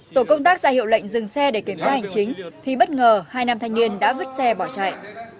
tổ công tác ra hiệu lệnh dừng xe để kiểm tra hành chính thì bất ngờ hai nam thanh niên đã vứt xe bỏ chạy